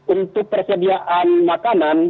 untuk persediaan makan